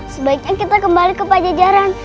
sebaiknya kita kembali ke pajajaran